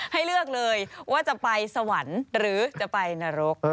ให้เลือกเลยว่าจะไปสวรรค์หรือจะไปนรก